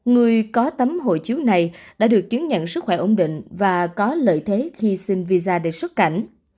người có tấm hộ chiếu này đã được chứng nhận sức khỏe ổn định và có lợi thế khi xin visa để xuất cảnh